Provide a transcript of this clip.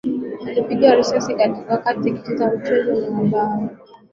Alipigwa risasi wakati akicheza mchezo wa bao n